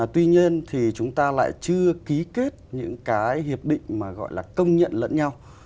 tuy nhiên thì chúng ta lại chưa ký kết những hiệp định gọi là công nhận lẫn nhau